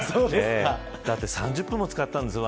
だって３０分も使ったんですよ